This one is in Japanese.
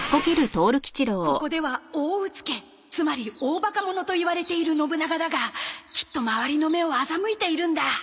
ここでは大うつけつまり大ばか者といわれている信長だがきっと周りの目を欺いているんだ